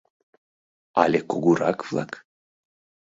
Але кугурак-влак?